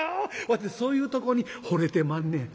わてそういうとこにほれてまんねん」。